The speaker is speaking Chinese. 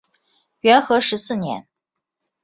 元和十四年。